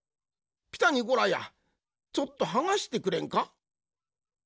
ピタにゴラやちょっとはがしてくれんか？